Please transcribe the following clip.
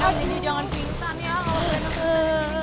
jangan virusan ya kalau virusan disini gak ada yang ngontong